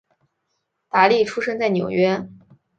达利出生在纽约。